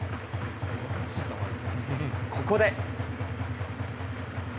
ここで。